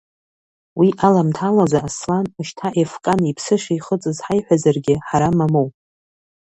Уи аламҭалазы Аслан, ушьҭа Ефкан иԥсы шихыҵыз ҳаиҳәазаргьы, ҳара мамоу!